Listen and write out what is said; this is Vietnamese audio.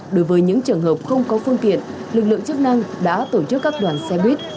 đối với những trường hợp không có phương tiện lực lượng chức năng đã tổ chức các đoàn xe buýt